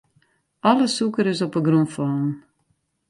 Alle sûker is op de grûn fallen.